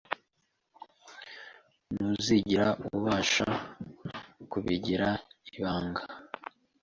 Ntuzigera ubasha kubigira ibanga.